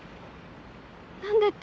何でって。